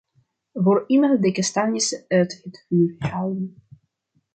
Voor iemand de kastanjes uit het vuur halen.